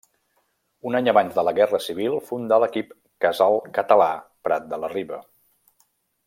Un any abans de la Guerra Civil fundà l'equip Casal Català Prat de la Riba.